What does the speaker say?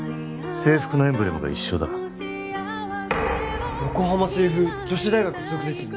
制服のエンブレムが一緒だ横浜清風女子大学附属ですよね